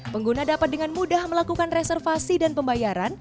pengguna dapat dengan mudah melakukan reservasi dan pembayaran